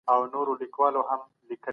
د زړه ناروغۍ وژونکې دي.